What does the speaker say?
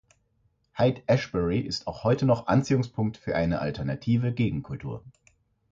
Haight-Ashbury ist auch heute noch Anziehungspunkt für eine alternative Gegenkultur.